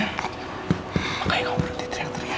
makanya kamu berhenti teriak teriak